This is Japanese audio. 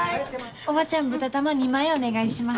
おばちゃん豚玉２枚お願いします。